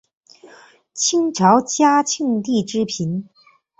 清朝嘉庆帝之嫔。